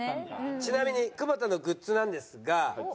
ちなみに久保田のグッズなんですが。